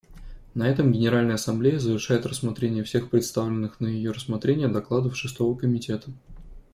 На этом Генеральная Ассамблея завершает рассмотрение всех представленных на ее рассмотрение докладов Шестого комитета.